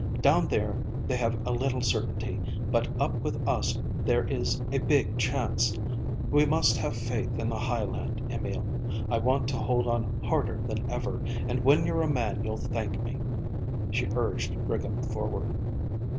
Down there they have a little certainty, but up with us there is a big chance. We must have faith in the high land, Emil. I want to hold on harder than ever, and when you're a man you'll thank me." She urged Brigham forward.